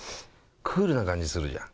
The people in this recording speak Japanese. クールな感じするじゃん。